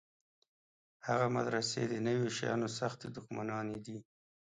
هغه مدرسې د نویو شیانو سختې دښمنانې دي.